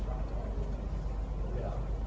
สวัสดีครับทุกคน